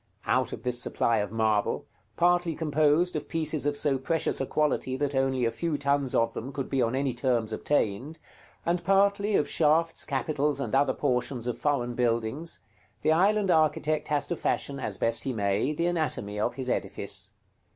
Out of this supply of marble, partly composed of pieces of so precious a quality that only a few tons of them could be on any terms obtained, and partly of shafts, capitals, and other portions of foreign buildings, the island architect has to fashion, as best he may, the anatomy of his edifice.